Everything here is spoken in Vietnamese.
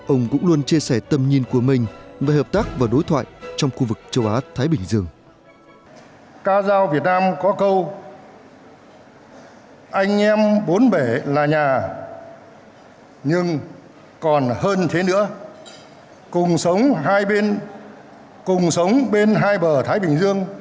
ông cũng luôn chia sẻ tâm nhìn của mình và hợp tác và đối thoại trong khu vực châu á thái bình